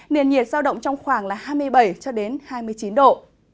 niệt nhiệt giao động trong khoảng hai mươi bảy hai mươi chín độ